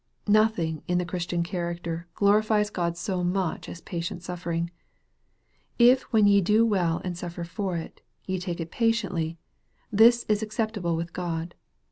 Nothing in the Christian character glorifies God so much as patient suffering. " If when ye do well and suffer for it, ye take it patiently, this is ac ceptable with God.